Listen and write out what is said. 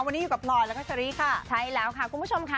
วันนี้อยู่กับพลอยแล้วก็เชอรี่ค่ะใช่แล้วค่ะคุณผู้ชมค่ะ